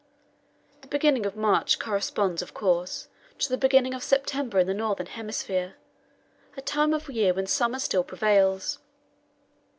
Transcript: The beginning of March corresponds, of course, to the beginning of September in the northern hemisphere a time of year when summer still prevails.